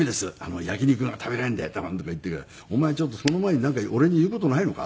「焼き肉が食べられるんで」とかなんとか言ってるから「お前ちょっとその前になんか俺に言う事ないのか？」